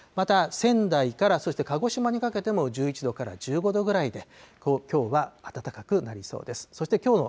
また、仙台からそして鹿児島にかけても、１１度から１５度ぐらいで、きょうは暖かくなりそうです。